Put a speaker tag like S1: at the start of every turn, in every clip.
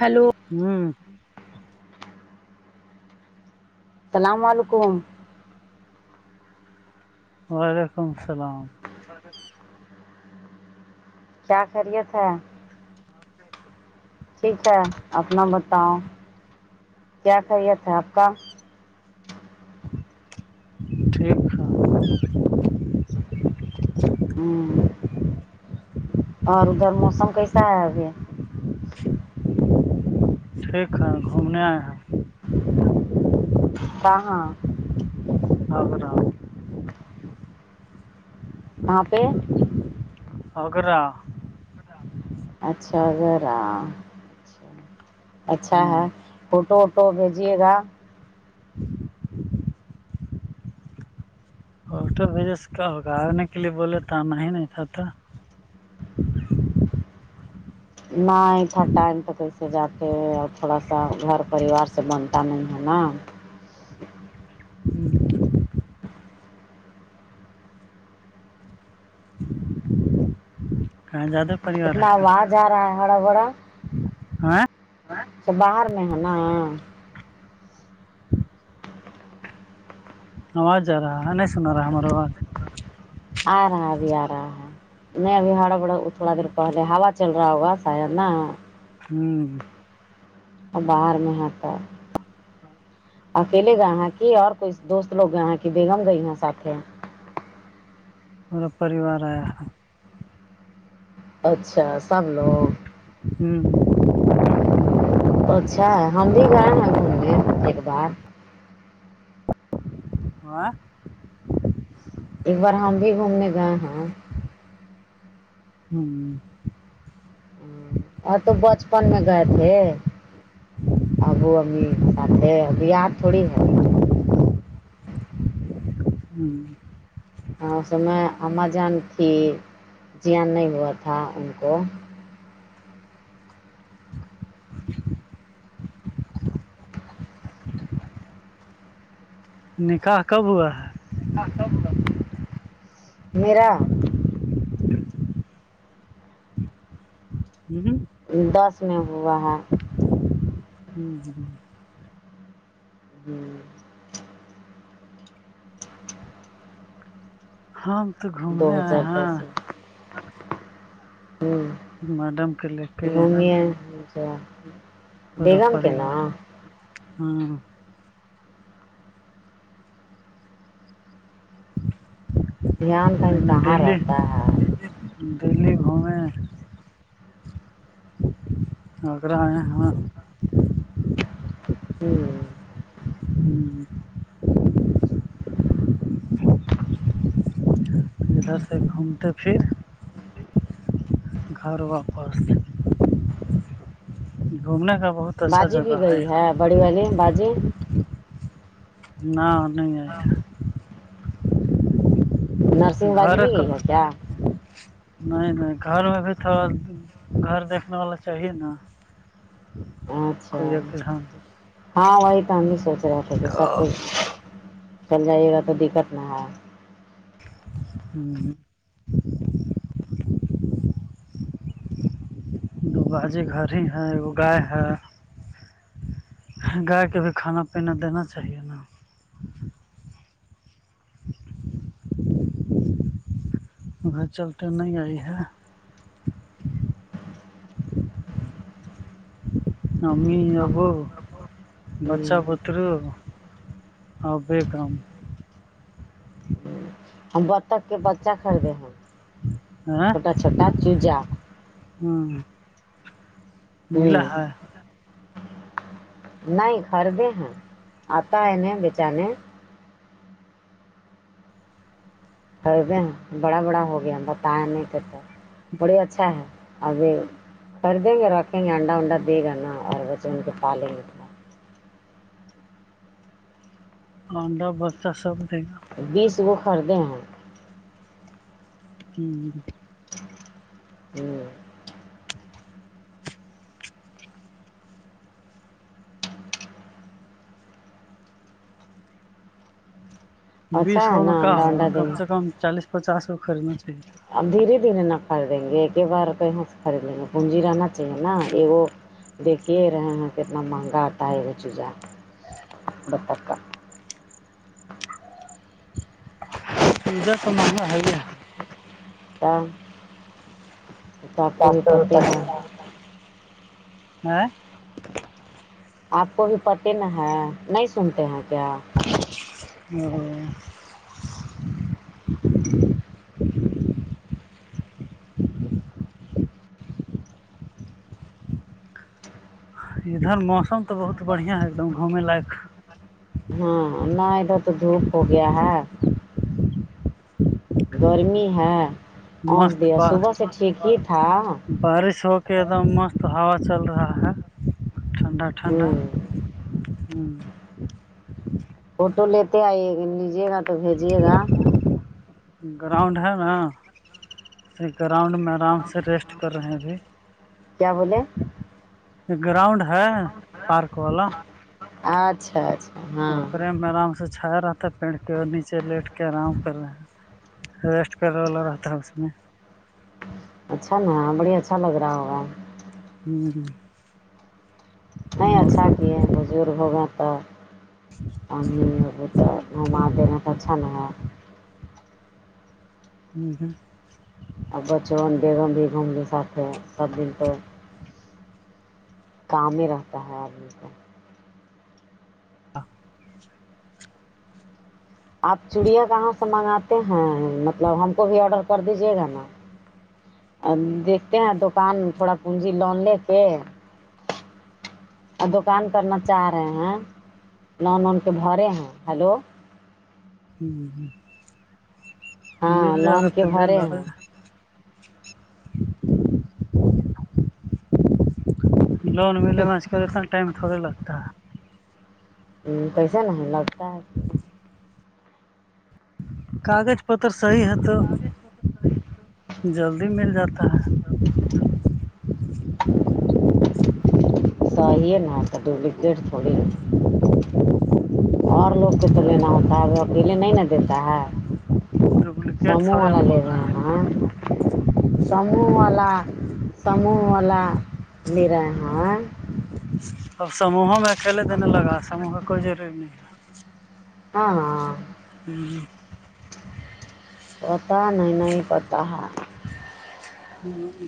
S1: hello
S2: ھمم
S1: السلام علیکم
S2: وعلیکم السلام
S1: کیا خیریت ہے ٹھیک ہے اپنا بتاؤ کیا خیریت ہے آپ کا
S2: ٹھیک ہے
S1: ھمم اور ادھر موسم کیسا ہے ابھی
S2: ٹھیک ہے [unintelligible]
S1: کہا
S2: اور بتاؤ [inaudible]
S1: کہاں پہ
S2: آگرہ
S1: اچھاآگرہ اچھا
S2: ہوں
S1: ہے فوٹو ووٹو بھیجیے گا
S2: [unintelligible]
S1: نائی تھا ٹائم پے تھے سجاتے کے اور تھوڑا سا گھر پریوار سے بنتا نہیں ہے نا
S2: کہاں زیادہ پریوار
S1: اتنا
S2: ہے کا
S1: آواز آ رہا ہے ہرا برا
S2: ہاں
S1: ا باہر میں ہے نا
S2: آواز آ رہا ہے نہیں سنا رہا ہمارا آواز
S1: آ رہا ہے ابھی آ رہا ہے نہیں ابھی ہڑا بڑ تھوڑا دیر پہلے ہوا چل رہا ہوگا شاید نا
S2: ہممم
S1: باہر میں ہے تو اکیلے گیے کی اور کوئی دوست لوگ گیے ہے کی بیگم گئی ہیں ساتھ
S2: پرا پوریوار ایا ہے
S1: اچھا سب لوگ
S2: ہمم
S1: اچھا ہے ہم بھی گئے ہیں گھومنے ایک بار
S2: [inaudible]
S1: ایک بار ہم بھی گھومنے گئے ہیں
S2: ہمم
S1: ہا تو بچپن میں گئے تھے ابو امی ساتھ تھے اب یہاں تھوڑی ہے
S2: ہمم
S1: ہاں اس میں اماں جان تھی زیان نہیں ہوا تھا ان کو
S2: نکاح کب ہوا
S1: میرا
S2: ہمم ہمم
S1: دس میں ہوا ہے
S2: [inaudible]
S1: ہوں
S2: ہم تو
S1: دو
S2: گھومنے آئے
S1: ہزار دس میں
S2: ہیں میڈم کے لے کے
S1: ہوں [unintelligible]
S2: [unintelligible]
S1: دھیان کہیں کہاں
S2: دلی
S1: رہتا ہے
S2: دلی گھومے اگرا آۓ ہم
S1: ہوں
S2: ہوں ادھر سے گھومتے پھر گھر واپس گھومنے کا بہت اچھا
S1: باجی بھی
S2: جگہ
S1: گئی
S2: یہاں
S1: ہے بڑی والی باجی
S2: نہ نہیں آئی
S1: نرسنگ باجی
S2: گھر
S1: نہیں
S2: کا
S1: گئی ہے کیا
S2: نہیں نہیں گھر میں بھی تھوڑا گھر دیکھنے والا چاہیے نا
S1: اچھا
S2: کوئی ایک جان
S1: ہاں وہی تو ہم سونچ رہے تھے کہے سب کچھ چل جائے گا تودیکت نا ہے
S2: [inaudible] دو باجی گھر ہے گائے ہے گائے کے بھی کھانا پینینا دینا چاہیے نا گھر چلتے نہیں آئی ہے امی ابو بچہ
S1: ہوں
S2: بتر اور بیکم
S1: ہم بتخ کے بچہ خریدے ہیں چھوٹا چھوٹا چوزا
S2: ہاں ملا
S1: ہوں
S2: ہے
S1: نہیں گھر بھی ہیں آتا ہے نہیں بیچانے خریدے ہیں بڑا بڑا ہو گیا بتیا نہیں تھے تو بڑی اچھا ہے ابھی خریدیں گے رکھیں گے انڈا ونڈا دیے گا نا اور بچے ان کے پالیں گے تھوڑا
S2: انڈا بچا سب دے گا
S1: بیس گو خریدے ہیں
S2: ہوں
S1: ہوں
S2: بیس
S1: اچھا ہے
S2: گو میں
S1: نا
S2: کا
S1: انڈا
S2: ہوگا
S1: انڈا دیں
S2: کم سے
S1: گے
S2: کم چالیس پچاس گو خریدنا چاہیے
S1: اب دھیرے دھیرے نہ خریدیں گے ایک ہی بار کہ یہاں سے خرید لیں گے پونجییرنا چاہیے نا ایگو دیکھیے رہے ہیں کتنا مہنگا آتا ہے وہ چیزاکا
S2: پزہ سا مانا آ ہے
S1: کیا سب کو
S2: سات
S1: ہی
S2: سو
S1: پتے ہے
S2: ہ
S1: آپ کو بھی پتے نہ ہے نہیں سنتے ہیں کیا
S2: اور ادھر موسم تو بہت بڑھیا ہے ایک دم گھوم لائق
S1: ہاں نہ ادھر تو دھوپ ہو گیا ہے گرمی ہے اس
S2: مست
S1: دیا
S2: ب
S1: صبح سے ٹھیک ہی تھا
S2: بارش ہو کے ایک دم مست ہوا چل رہا ہے ٹھنڈا ٹھنڈا
S1: ہوں
S2: ہوں
S1: فوٹو لیتے آئیے گا لیجیے گا تو بھیجیے گا
S2: گراؤنڈ ہے نا اس گراؤنڈ میں آرام سے ریسٹ کر رہے ہیں بھیھی
S1: کیا بولے
S2: یہ گراؤنڈ ہے پارک والا
S1: اچھا اچھا ہاں
S2: ارے میں آرام سے چھایا رہا تھا پین کے نیچے لٹ کے آرام کر رہا ریسٹ کرنے والا رہتا ہے اس میں
S1: اچھا نا بڑی اچھا لگ رہا ہوگا
S2: ہوں
S1: نہیں اچھا کی بزرگ ہوگیں تو اب گوما دینا اچھا نا ہے
S2: ہوں ہوں
S1: اور بچ بیگم بھی گھوملیے ساتھ سب دن تو کام ہی رہتا ہے آدمی کا آپ چڑیا کہاں سے منگاتے ہیں مطلب ہم کو بھی آڈر کر دیجیے گا نا دیکھتے ہیں دکان تھوڑا پونجی لون لے کے اور دکان کرنا چاہ رہے ہیں لون وون کے بھرے ہیں ہلو
S2: ہ ہ
S1: ہاں
S2: مل
S1: لون
S2: آگت
S1: کے
S2: لے
S1: بھرے
S2: لے
S1: ہیں
S2: لون ملےو سے کی اتنا ٹائم تھوڑا لگتا ہے
S1: پیسے نہیں ہے لگتا ہے
S2: کاغذ پتر صحیح ہے تو جلدی مل جاتا ہے
S1: س ہی ہے ڈبیکٹ تھوڑی ہے اور لوگ کو تو لینا ہوتا ہے اب اکیلے نہیں نا دیتا ہے
S2: ڈپلیکیٹ
S1: سموہ
S2: تھوڑے
S1: وال
S2: ہم
S1: والا لیے
S2: بول
S1: رہ
S2: رہے ہیں
S1: ہے نا سموہ والا سموہ والا میر ہیںاں
S2: اب سموہوں میں اکیلے دینے لگا سوہ کا کوئی ضوری نہیں ہے
S1: ہاں ہاں پتا نہیں نہیں پتا ہے
S2: ہم م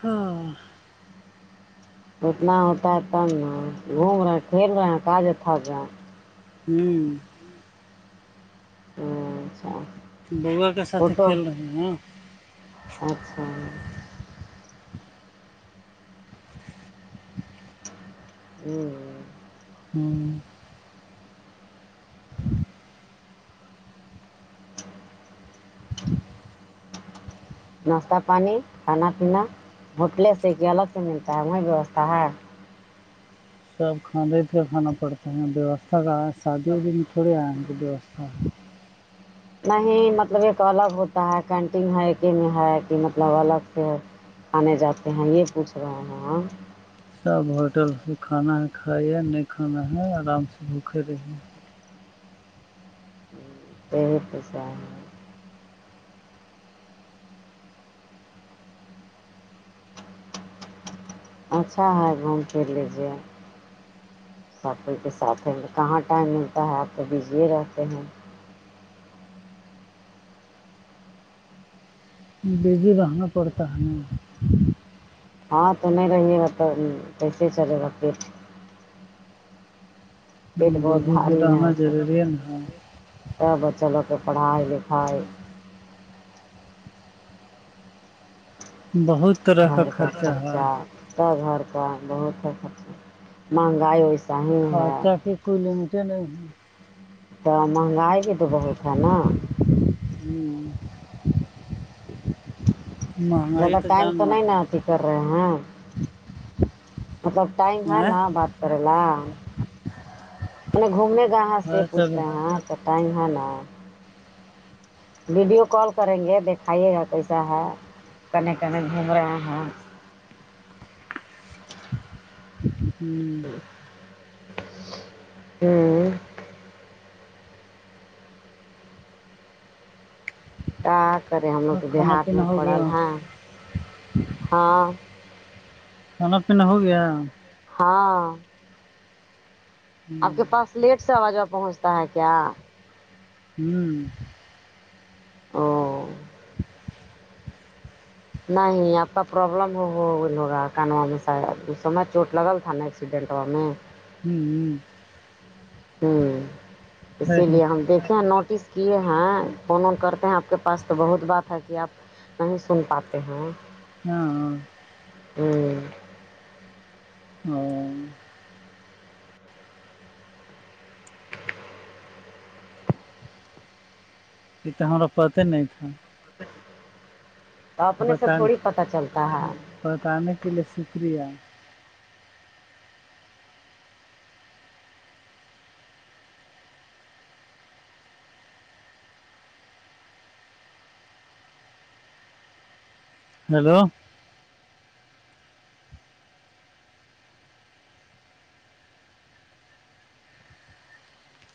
S2: ہاں
S1: اتنا ہوتا ہے تب نا گھوم رہے پھیل رہے ہیں کاج تھک رہا
S2: ہوں
S1: ہم اچھا
S2: بووا کے ساتھ
S1: فوٹو
S2: کھیل رہے ہیں
S1: اچھا ہوں
S2: ہوں
S1: ناشتہ پانی کھانا پینا ہوٹلے سے کہ الگ سے ملتا ہے وہی ویوستھا ہے
S2: سب کھاندے پھے کھانا پڑتے ہیں ویوستھا کا ہے شادی ودی میں تھوڑی آئے ہیں کی ویوستھا
S1: نہیں مطلب ایک الگ ہوتا ہے کینٹین ہے میں ہے کہ مطلب الگ سے آنے جاتے ہیں یہ پوچھ رہے ہیں
S2: سب ہوٹل سے کھانا ہے کھائے نہیں کھانا ہے آرام سے بھوکے رہیے
S1: بہت پیسہ ہے اچھا ہے گھوم پھر لیجیے سب کوئی کے ساتھ ہے کہاں ٹائم ملتا ہے آپ تو بزی رہتے ہیں
S2: بزی رہنا پڑتا ہے
S1: ہاں تو نہیں رہیے گاب کیسے چلے گا پیٹ پیٹ بہت
S2: بیزی بھی
S1: بھاری
S2: رہنا
S1: نہیں
S2: ضروری ہے نا
S1: بچا لوگ کے پڑھائی لکھائی
S2: بہت طرح
S1: گھر کا
S2: ہے
S1: خرچہ سب گھر کا بہت مہنگائیس
S2: خرچہ کی کوئی لمٹ نہیں ہے
S1: تو مہنگائی بھی تو بہت ہے نا
S2: ہوں مہنگائی
S1: زیادہ
S2: تو
S1: ٹائم
S2: جان
S1: نہیں
S2: مرد
S1: نا اھی
S2: ہے
S1: کر رہے ہیں مطلب ٹائم ہ نہ بات کرر ل م گھومنے گئے ہے اسے
S2: ہر
S1: پوچھ
S2: طرح
S1: رہے ہیں ٹائم ہے نا ویڈیو کال کریں گے دیکھایے گا کیسا ہے کنے کنے گھوم رہے ہیں
S2: جی
S1: ہوں کیا کرے ہم لوگ
S2: کھانا
S1: بیہار میں
S2: پینا ہو گیا
S1: پڑل ہیں ہاں
S2: کھانا پینینا ہو گیا
S1: ہاں
S2: ہاں
S1: آپ کے پاس لیٹ سے آوازہاں پہنچتا ہے کیا
S2: ہم
S1: او نہیں آپ کا پرابلم ہوگا کنوا میں ساید سر میں چوٹ لگل تھا نا ایکسیڈنٹ ہوا میں
S2: ہم ہم
S1: ہمم اسی لیے ہم دیکھیں نوٹس کیے ہیں فون وون کرتے ہیں آپ کے پاس تو بہت بات ہے کہ آپ نہیں سن پاتے ہیں
S2: ہاں ہاں
S1: ہمم
S2: ہ یہ تو ہمارا پتا نہیں تھاا
S1: تو اپنے سے
S2: بتانے
S1: تھوڑی پتا چلتا ہے
S2: بتانے کے لیے شکریہ ہیلو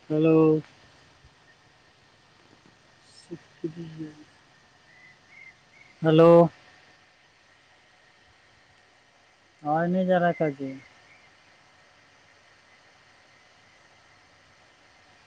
S2: ہیلو سب ٹھیک ہے ہیلو آواز نہیں جارہا کیا جی